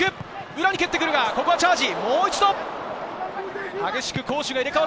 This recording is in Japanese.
裏に蹴ってくるが、ここはチャージ。